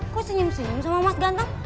kok senyum senyum sama mas ganto